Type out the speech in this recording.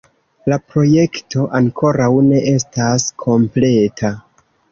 La projekto ankoraŭ ne estas kompleta.